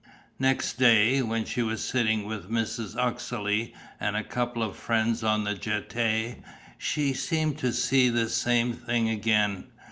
Next day, when she was sitting with Mrs. Uxeley and a couple of friends on the Jetée, she seemed to see the same thing again.